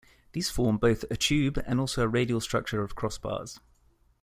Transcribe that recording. These form both a tube and also a radial structure of cross bars.